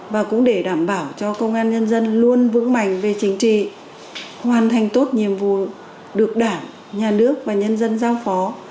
và cũng để đảm bảo cho công an nhân dân luôn vững mạnh về chính trị hoàn thành tốt nhiệm vụ được đảng nhà nước và nhân dân giao phó